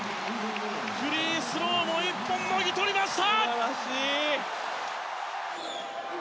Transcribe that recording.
フリースローも１本もぎ取りました。